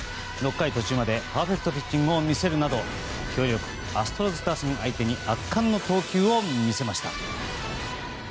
６回途中までパーフェクトピッチングを見せるなど強力アストロズ打線相手に圧巻の投球を見せました。